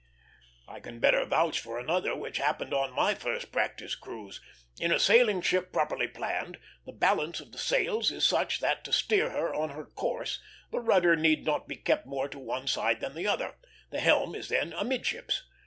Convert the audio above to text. I can better vouch for another, which happened on my first practice cruise. In a sailing ship properly planned, the balance of the sails is such that to steer her on her course the rudder need not be kept more to one side than the other; the helm is then amidships.